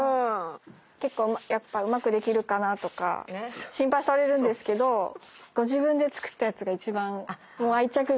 結構やっぱうまくできるかなとか心配されるんですけどご自分で作ったやつが一番愛着が。